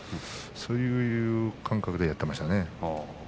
そういう感覚でやっていましたね。